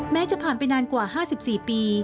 จะผ่านไปนานกว่า๕๔ปี